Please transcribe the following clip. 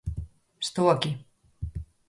¡Estou aquí!